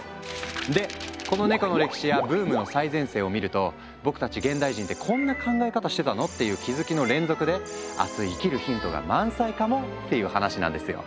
でこのネコの歴史やブームの最前線を見ると僕たち現代人って「こんな考え方してたの？」っていう気づきの連続で明日生きるヒントが満載かもっていう話なんですよ。